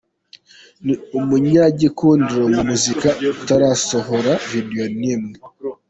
Ni umunyagikundiro mu muziki utarasohora video n’imwe.